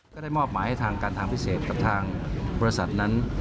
ก็ได้มอบหมายให้ทางการทางพิเศษกับทางบริษัทนั้น